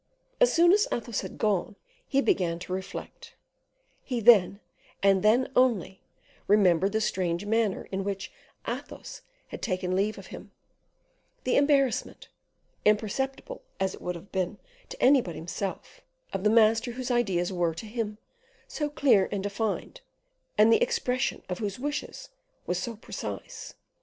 As soon as Athos had gone, he began to reflect; he then, and then only, remembered the strange manner in which Athos had taken leave of him, the embarrassment imperceptible as it would have been to any but himself of the master whose ideas were, to him, so clear and defined, and the expression of whose wishes was so precise.